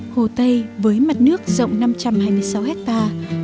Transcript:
hồ tây với mặt nước rộng năm trăm hai mươi sáu hectare